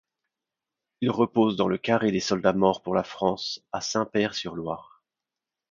Il repose dans le Carré des Soldats morts pour la France à Saint-Père-sur-Loire.